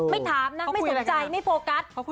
ถามนะไม่สนใจไม่โฟกัส